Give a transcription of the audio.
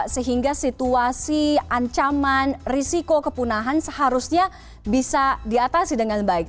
sehingga situasi ancaman risiko kepunahan seharusnya bisa diatasi dengan baik